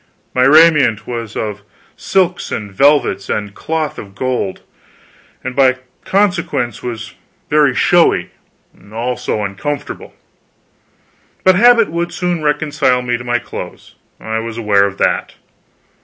My raiment was of silks and velvets and cloth of gold, and by consequence was very showy, also uncomfortable. But habit would soon reconcile me to my clothes; I was aware of that.